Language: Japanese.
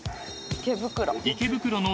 ［池袋の］